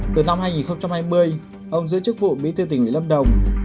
từ năm hai nghìn hai mươi ông giữ chức vụ bí thư tỉnh ủy lâm đồng